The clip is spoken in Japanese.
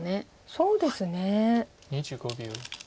そうですね。